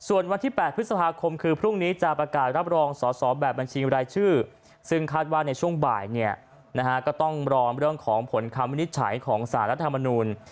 ส่วนวันที่๘พฤษภาคมคือพรุ่งนี้จะประกาศรับรองสอสอแบบบัญชีรายชื่อซึ่งคาดว่าในช่วงบ่ายเนี่ยนะฮะก็ต้องรอเรื่องของผลคำวินิจฉัยของสารรัฐมนูล